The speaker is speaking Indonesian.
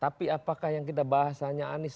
tapi apakah yang kita bahas hanya anies